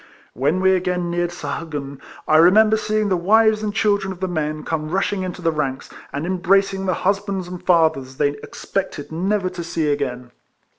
When we again neared Sahagun, I remember seeing the wives and children of the men come rushing into the ranks, and embracing the husbands and fathers they expected never to see again.